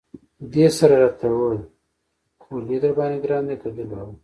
دې سره یې را ته وویل: خولي درباندې ګران دی که دوربابا.